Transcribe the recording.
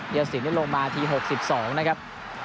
ยาสินลงมาที๖๒นะครับ